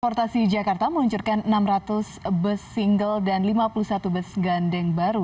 portasi jakarta meluncurkan enam ratus bus single dan lima puluh satu bus gandeng baru